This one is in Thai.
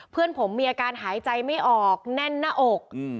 เพื่อนผมมีอาการหายใจไม่ออกแน่นหน้าอก